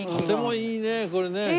とてもいいねこれね。